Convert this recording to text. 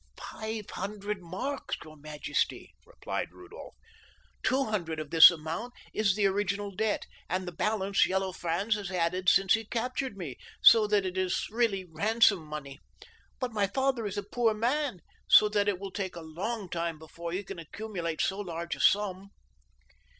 "Five hundred marks, your majesty," replied Rudolph. "Two hundred of this amount is the original debt, and the balance Yellow Franz has added since he captured me, so that it is really ransom money. But my father is a poor man, so that it will take a long time before he can accumulate so large a sum.